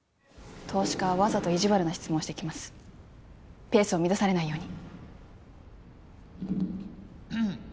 投資家はわざと意地悪な質問をしてきますペースを乱されないように